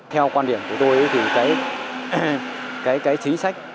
theo quan điểm của tôi thì cái chính sách